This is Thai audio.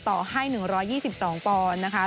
ต่อให้หนึ่งร้อยยี่สิบสองปอนด์นะคะ